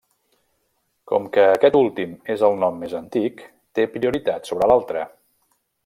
Com que aquest últim és el nom més antic, té prioritat sobre l'altre.